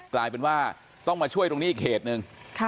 กลายเป็นว่าต้องมาช่วยตรงนี้อีกเขตหนึ่ง